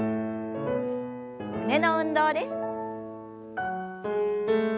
胸の運動です。